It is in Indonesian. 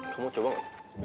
kamu coba gak